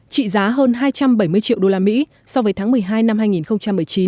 trị giá hơn hai trăm bảy mươi triệu đô la mỹ so với tháng một mươi hai năm hai nghìn một mươi chín